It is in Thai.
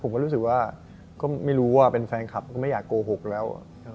ผมก็รู้สึกว่าก็ไม่รู้ว่าเป็นแฟนคลับก็ไม่อยากโกหกแล้ว